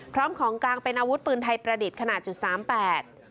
พร้อมของกางเป็นอาวุธปืนไทยประดิษฐ์ขนาด๓๘